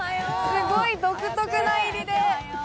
すごい独特な入りで。